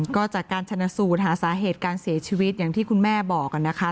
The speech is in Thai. ก็จากการชนะสูตรหาสาเหตุการเสียชีวิตอย่างที่คุณแม่บอกนะคะ